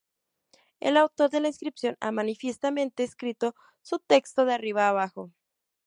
El autor de la inscripción ha manifiestamente escrito su texto de arriba a abajo.